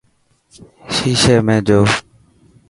شيشي ۾ جو.